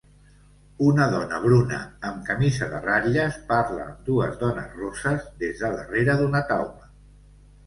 Una dona bruna amb camisa de ratlles parla amb dues dones rosses des de darrere d'una taula.